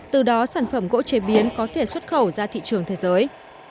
từ đó sản phẩm gỗ chế biến có thể xuất khẩu ra thị trường thế giới